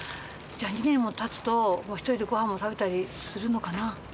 じゃあ２年も経つと１人でご飯も食べたりするのかな？